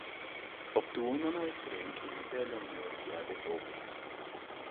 Obtuvo una maestría en química de la Universidad de Howard.